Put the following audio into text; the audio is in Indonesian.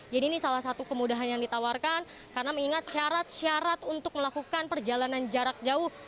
jadi ini salah satu kemudahan yang ditawarkan karena mengingat syarat syarat untuk melakukan perjalanan jarak jauh